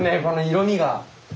この色味が。